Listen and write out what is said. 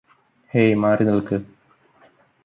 hey മാറി നില്ക്ക്